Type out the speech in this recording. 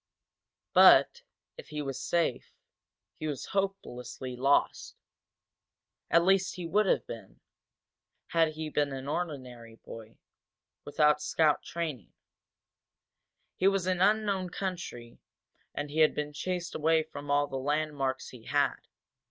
But, if he was safe, he was hopelessly lost. At least he would have been, had he been an ordinary boy, without the scout training. He was in unknown country and he had been chased away from all the landmarks he had.